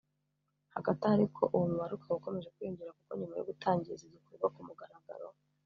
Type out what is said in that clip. Hagati aho ariko uwo mubare ukaba ukomeje kwiyongera kuko nyuma yo gutangiza igikorwa ku mugaragaro